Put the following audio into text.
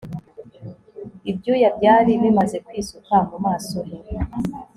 ibyuya byari bimaze kwisuka mu maso he